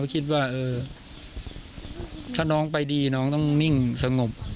คิดว่าถ้าน้องไปดีน้องต้องนิ่งสงบ